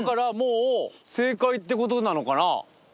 ってことなのかな？